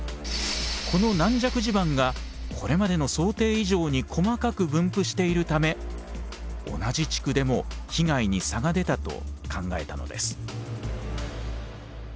この軟弱地盤がこれまでの想定以上に細かく分布しているため同じ地区でも被害に差が出たと考えたのです。